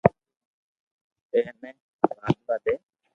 ايني واڌوا دي